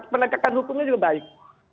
penegakan hukumnya juga baik